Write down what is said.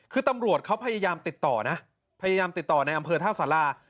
คือตำรวจเขาพยายามติดต่อนะพยายามติดต่อในอำเภอท่าสารา